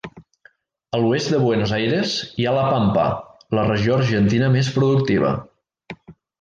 A l'oest de Buenos Aires hi ha la Pampa, la regió argentina més productiva.